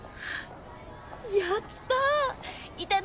やった！